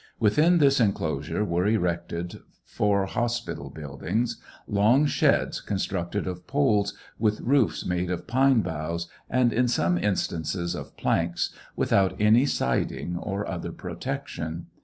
Within this enclosure were erected for hospital buildings, long sheds constructed of poles, with roofs made of pine bougLs, and in some instances of planks, without any siding or other protection.